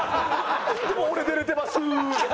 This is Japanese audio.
でも俺出れてますー！